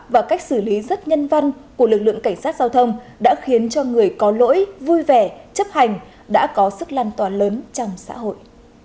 và cách xử lý rất nhân văn của lực lượng cảnh sát giao thông đã khiến cho người có lỗi vui vẻ chấp hành đã có sức lan tỏa lớn trong xã hội